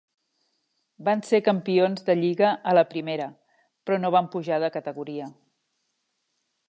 Van ser campions de lliga a la primera, però no van pujar de categoria.